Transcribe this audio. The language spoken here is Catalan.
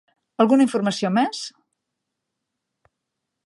Alguna informació més?